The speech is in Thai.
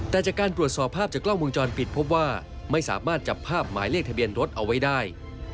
แต่จากการตรวจสอบภาพจากกล้องวงจรปิดพบว่าไม่สามารถจับภาพหมายเลขทะเบียนรถเอาไว้ได้